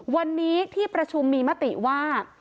วันนี้ที่ประชุมมีมติว่า